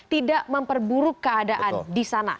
tidak memperburuk keadaan di sana